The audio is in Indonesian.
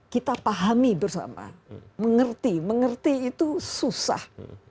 kita pahami bersama mengerti mengerti itu susah